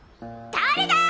誰だ！？